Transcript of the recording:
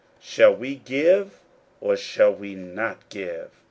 41:012:015 Shall we give, or shall we not give?